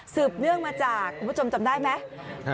เนื่องมาจากคุณผู้ชมจำได้ไหม